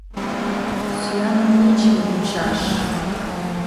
Сӱаным нечыве вучаш!